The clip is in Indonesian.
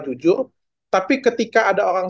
jujur tapi ketika ada orang